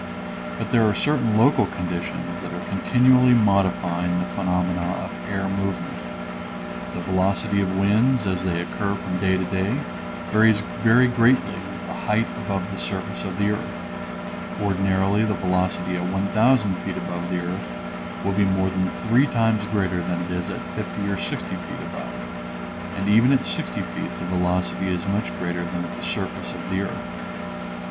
But there are certain local conditions that are continually modifying the phenomena of air movement. The velocity of winds as they occur from day to day varies very greatly with the height above the surface of the earth; ordinarily the velocity at 1000 feet above the earth will be more than three times greater than it is at 50 or 60 feet above, and even at 60 feet the velocity is much greater than at the surface of the earth.